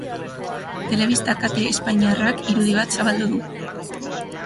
Telebista kate espainiarrak irudi bat zabaldu du.